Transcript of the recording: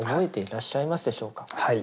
はい。